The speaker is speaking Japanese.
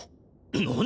何！？